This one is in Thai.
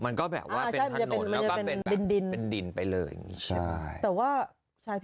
มันก็แบบว่าเป็นถนนเนี่ยก็เป็นแบบแบบนี้เป็นดินไปเลย